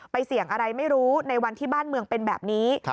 เสี่ยงอะไรไม่รู้ในวันที่บ้านเมืองเป็นแบบนี้